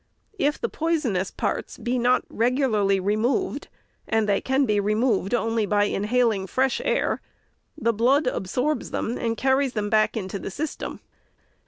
If the poisonous parts be not regularly removed (and they can be re moved only by inhaling fresh air), the blood absorbs them, and carries them back into the system.